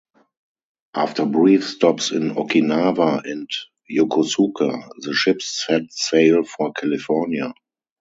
After brief stops in Okinawa and Yokosuka the ships set sail for California.